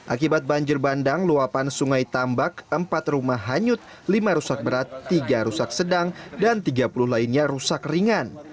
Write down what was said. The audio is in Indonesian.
akibat banjir bandang luapan sungai tambak empat rumah hanyut lima rusak berat tiga rusak sedang dan tiga puluh lainnya rusak ringan